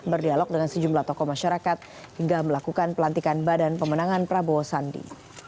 berdialog dengan sejumlah tokoh masyarakat hingga melakukan pelantikan badan pemenangan prabowo sandi